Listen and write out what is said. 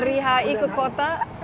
fully dihahi ke kota